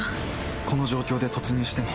この状況で突入しても。